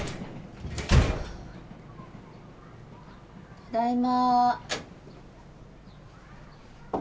ただいま。